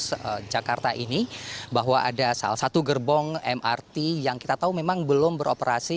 di depo lebak bulus jakarta ini bahwa ada salah satu gerbong mrt yang kita tahu memang belum beroperasi